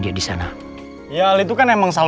kata kata k sternanya